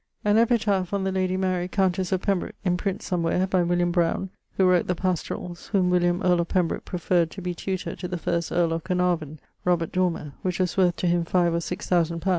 An epitaph on the lady Mary, countesse of Pembroke (in print somewhere), by William Browne, who wrote the Pastoralls, whom William, earle of Pembroke, preferr'd to be tutor to the first earle of Carnarvon ( Dormer), which was worth to him 5 or 6000 _li.